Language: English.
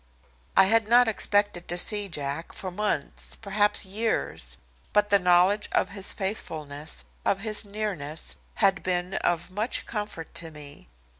I had not expected to see Jack for months, perhaps years, but the knowledge of his faithfulness, of his nearness, had been of much comfort to me.